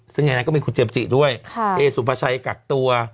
ซึ่งในนั้นก็มีคุณเจมส์จิด้วยเอสุภาชัยกักตัว